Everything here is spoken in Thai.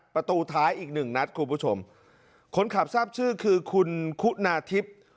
ประตูท้ายอีกหนึ่งนัดคุณผู้ชมคนขับทราบชื่อคือคุณคุณาทิพย์